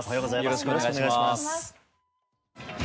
よろしくお願いします。